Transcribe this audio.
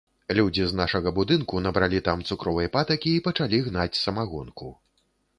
Людзі з нашага будынку набралі там цукровай патакі й пачалі гнаць самагонку.